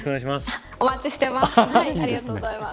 お待ちしてます。